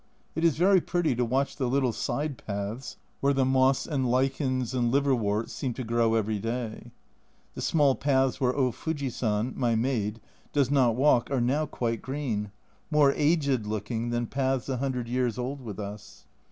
It is very pretty to watch the little side paths, where the moss and lichens and liverworts seem to grow every day ; the small paths where O Fuji san (my maid) does not walk are now quite green more aged looking than paths a hundred years old with us.